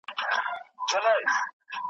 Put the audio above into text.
په هر کور کي د وطن به یې منلی .